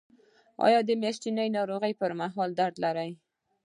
ایا د میاشتنۍ ناروغۍ پر مهال درد لرئ؟